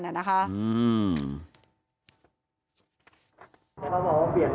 เปลี่ยนอยู่ไม่รู้เลยครับ